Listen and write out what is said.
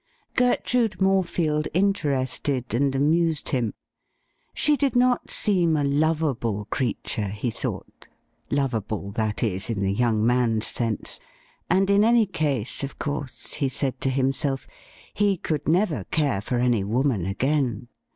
Gertrude Morefield interested and amused him. She did not seem a lovable creature, he thought — lovable, that is, in the young man's sense — and in any case, of course, he said to himself, he could never care for any woman again.